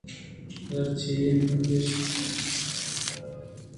راز چی اِنت؟ کاشاں شِیشُم ءَ را چوش پسّہ دات تو مزن مَرّ ئے ءُ طُوفاناں مڑئے